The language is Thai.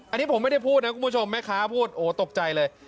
อันนี้ผมไม่ได้พูดนะคุณผู้ชมแม่ค้าพูดโอ้ตกใจเลย